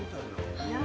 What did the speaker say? はい。